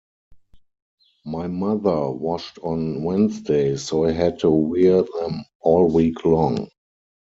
My mother washed on Wednesdays so I had to wear them all week long.